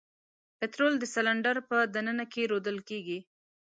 پطرول د سلنډر په د ننه کې رودل کیږي.